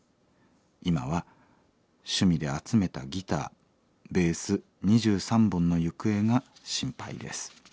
今は趣味で集めたギターベース２３本の行方が心配です」。